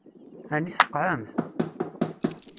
Ɛni tfeqɛemt?